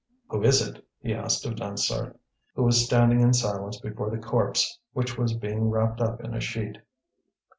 "Who is it?" he asked of Dansaert, who was standing in silence before the corpse which was being wrapped up in a sheet.